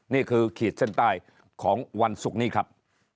ขีดเส้นใต้ของวันศุกร์นี้ครับ